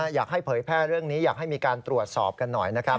เผยแพร่เรื่องนี้อยากให้มีการตรวจสอบกันหน่อยนะครับ